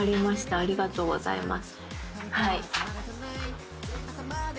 ありがとうございます。